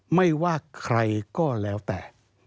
ไม่ว่าใครก็แล้วแต่